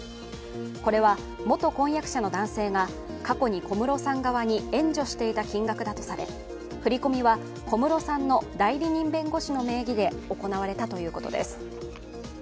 これは元婚約者の男性が過去に小室さん側に援助していた金額だとされ振り込みは小室さんの代理人弁護士の名義で行われたということです。